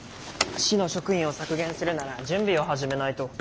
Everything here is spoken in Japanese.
市の職員を削減するなら準備を始めないと。